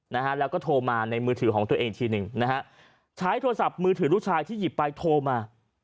นะฮะแล้วก็โทรมาในมือถือของตัวเองอีกทีหนึ่งนะฮะใช้โทรศัพท์มือถือลูกชายที่หยิบไปโทรมา